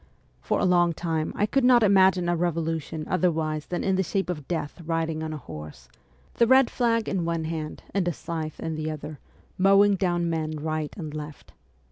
For a long time I could not imagine a revolution otherwise than in the shape of Death riding on a horse, the red flag in one hand and a scythe in the other, mowing down men right and left.